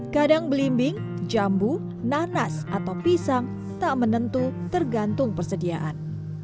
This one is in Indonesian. kadang belimbing jambu nanas atau pisang tak menentu tergantung persediaan